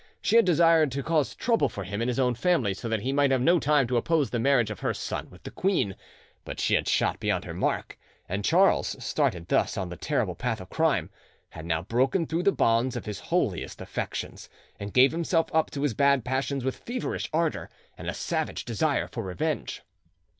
She had desired to cause trouble for him in his own family, so that he might have no time to oppose the marriage of her son with the queen; but she had shot beyond her mark, and Charles, started thus on the terrible path of crime, had now broken through the bonds of his holiest affections, and gave himself up to his bad passions with feverish ardour and a savage desire for revenge.